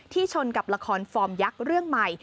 ชนกับละครฟอร์มยักษ์เรื่องใหม่